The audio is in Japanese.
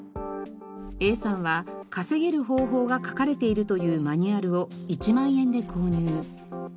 Ａさんは稼げる方法が書かれているというマニュアルを１万円で購入。